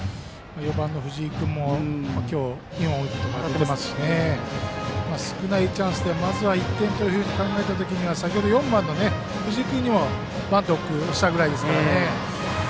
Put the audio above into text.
４番の藤井君も今日は２本打って、当たっていますし少ないチャンスでまず１点と考えた時には先程４番の藤井君にもバントをしたくらいですから。